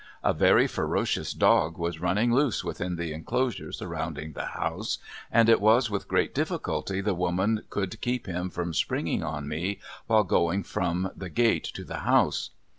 A very ferocious dog was running loose within the enclosure surrounding the house, and it was with great difficulty the woman could keep him from springing on me while going from the gate to the house.